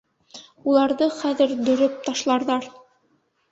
Уларҙы хәҙер дөрөп ташларҙар.